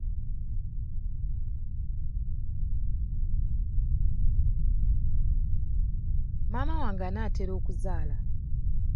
Maama wange anaatera okuzaala.